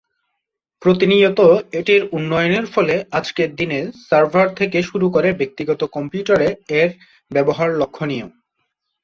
প্রতিনিয়ত এটির উন্নয়নের ফলে আজকের দিনের সার্ভার থেকে শুরু করে ব্যক্তিগত কম্পিউটারে এর ব্যবহার লক্ষনীয়।